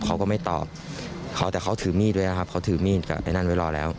เขาก็ไม่ตอบเขาแต่เขาถือมีดด้วยนะครับเขาถือมีดกับไอ้นั่นไว้รอแล้ว